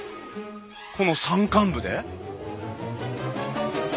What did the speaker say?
この山間部で？